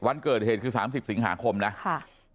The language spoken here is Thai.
วันเกิดเหตุคือ๓๐สิงหาคมนะค่ะ